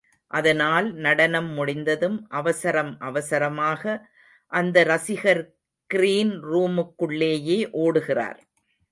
அதனால் நடனம் முடிந்ததும் அவசரம் அவசரமாக அந்த ரசிகர் கிரீன் ரூமுக்குள்ளேயே ஓடுகிறார்.